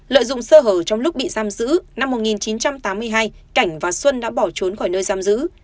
lợi dụng sơ hở trong lúc bị giam giữ năm một nghìn chín trăm tám mươi hai cảnh và xuân đã bỏ trốn khỏi nơi giam giữ